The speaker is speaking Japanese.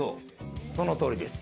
そのとおりです。